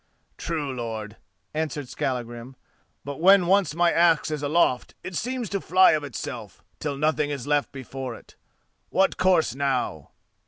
"True, lord," answered Skallagrim; "but when once my axe is aloft, it seems to fly of itself, till nothing is left before it. What course now?"